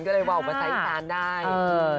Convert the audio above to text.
ก็เลยว่าอุปสรรค์อีสานได้